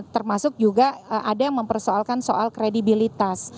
termasuk juga ada yang mempersoalkan soal kredibilitas